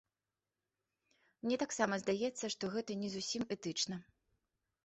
Мне таксама здаецца, што гэта не зусім этычна.